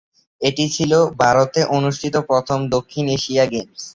এটি ছিল ভারতে অনুষ্ঠিত প্রথম দক্ষিণ এশীয় গেমস।